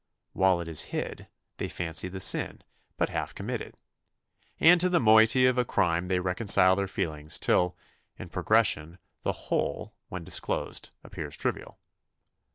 While it is hid, they fancy the sin but half committed; and to the moiety of a crime they reconcile their feelings, till, in progression, the whole, when disclosed, appears trivial.